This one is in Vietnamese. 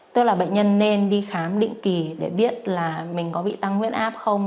tức là bệnh nhân nên đi khám định kỳ để biết là mình có bị tăng huyết áp không